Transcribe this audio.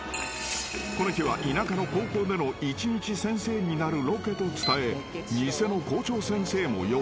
［この日は田舎の高校での一日先生になるロケと伝え偽の校長先生も用意］